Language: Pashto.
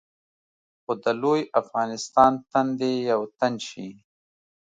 خو د لوی افغانستان تن دې یو تن شي.